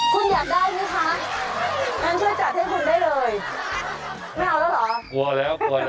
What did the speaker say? คุณอยากได้ไหมคะแม่งช่วยจัดให้คุณได้เลย